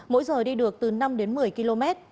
mỗi giờ đi được từ năm đến một mươi km